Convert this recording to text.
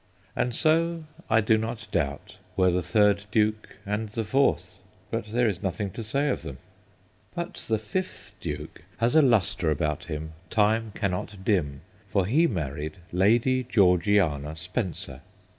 And so, I do not doubt, were the third Duke and the fourth ; but there is nothing to say of them. But the fifth Duke has a lustre about him time cannot dim, for he married Lady Georgiana Spencer.